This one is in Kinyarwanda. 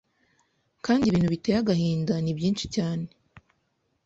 Kandi ibintu biteye agahinda nibyinshi cyane